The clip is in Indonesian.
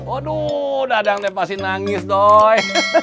aduh dadang teh pasti nangis doi